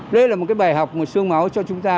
đây là một cái bài học một sương máu cho chúng ta